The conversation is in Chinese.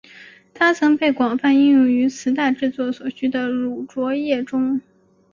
它曾被广泛应用于磁带制作所需的乳浊液中。